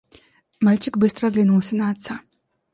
Мальчик быстро оглянулся на отца.